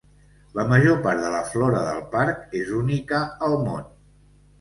La major part de la flora del parc és única al món.